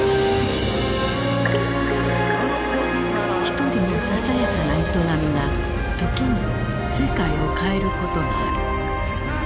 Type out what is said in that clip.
一人のささやかな営みが時に世界を変えることがある。